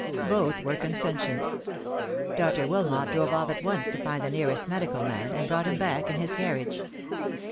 Both were consentient. Dr. Wilmot drove off at once to find the nearest medical man, and brought him back in his carriage.